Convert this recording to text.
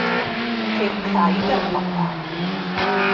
Ceir craig ar y copa.